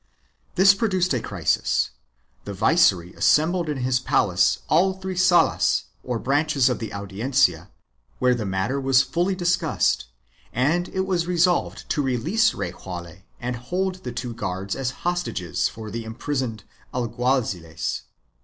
This produced a crisis. The viceroy assembled in his palace all three solas or branches of the Audiencia, where the matter was fully discussed and it was resolved to release Rejaule and hold the two guards as hostages for the imprisoned alguaziles.